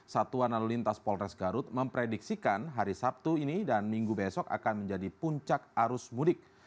satuan lalu lintas polres garut memprediksikan hari sabtu ini dan minggu besok akan menjadi puncak arus mudik